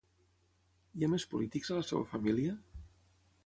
Hi ha més polítics a la seva família?